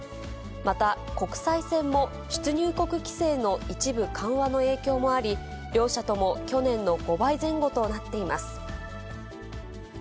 また、国際線も、出入国規制の一部緩和の影響もあり、両社とも去年の５倍前後となっています。